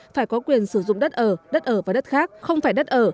phải có quyền sử dụng đất ở đất ở và đất khác không phải đất ở